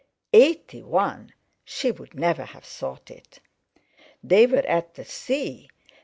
Eighty one! She would never have thought it! They were at the sea!